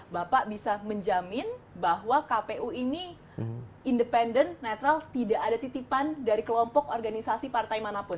bapak bisa menjamin bahwa kpu ini independen netral tidak ada titipan dari kelompok organisasi partai manapun